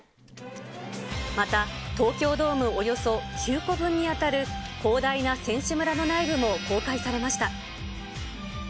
また東京ドームおよそ９個分に当たる広大な選手村の内部も公開されました。